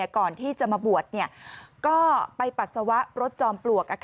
ก่อนที่จะมาบวชก็ไปปัสสาวะรถจอมปลวก